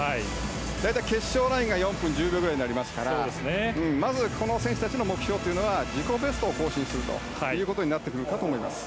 大体決勝ラインが４分１０秒ぐらいですからまずこの選手たちの目標は自己ベストを更新することになってくるかと思います。